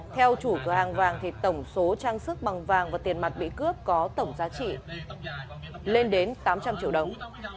theo chủ cửa hàng vàng thì tổng số trang sức bằng vàng và tiền mặt bị cướp có tổng giá trị lên đến tám trăm linh triệu đồng